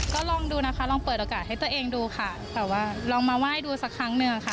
ก็ลองดูนะคะลองเปิดโอกาสให้ตัวเองดูค่ะแต่ว่าลองมาไหว้ดูสักครั้งหนึ่งค่ะ